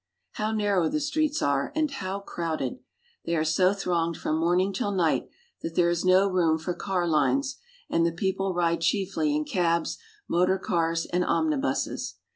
How narrow the streets are and how crowded ! They are so thronged from morning till night, that there is no room for car lines, and the people ride chiefly in cabs, motor cars, and omnibuses.